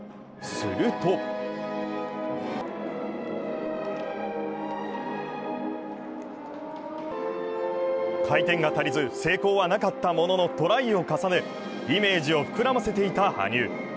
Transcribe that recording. すると回転が足りず、成功はなかったもののトライを重ねイメージを膨らませていた羽生。